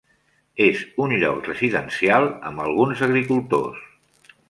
És un lloc residencial amb alguns agricultors.